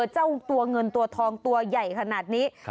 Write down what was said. เจ้าตัวเงินตัวทองตัวใหญ่ขนาดนี้